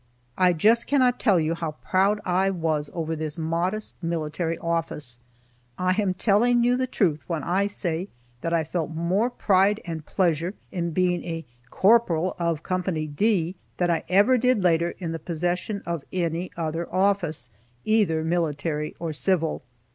I just cannot tell you how proud I was over this modest military office. I am telling you the truth when I say that I felt more pride and pleasure in being a "Corporal of Co. D" than I ever did later in the possession of any other office, either military or civil.